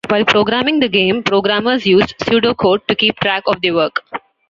While programming the game, programmers used pseudo-code to keep track of their work.